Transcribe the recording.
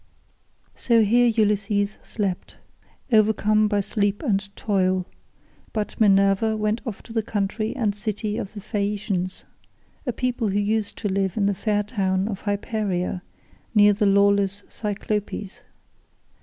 So here Ulysses slept, overcome by sleep and toil; but Minerva went off to the country and city of the Phaeacians—a people who used to live in the fair town of Hypereia, near the lawless Cyclopes.